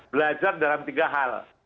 belajar dalam tiga hal